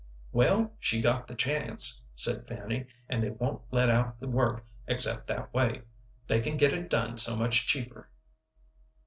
"Well, she got the chance," said Fanny, "and they won't let out the work except that way; they can get it done so much cheaper."